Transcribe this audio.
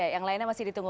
yang lainnya masih ditunggu